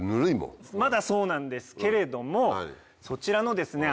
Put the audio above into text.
まだそうなんですけれどもそちらのですね